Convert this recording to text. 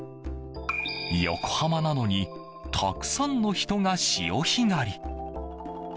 横浜なのにたくさんの人が潮干狩り。